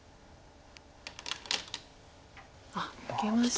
あっ受けましたね。